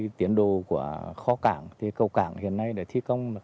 về tiến độ của kho cảng thì cầu cảng hiện nay đã thi công hơn bảy mươi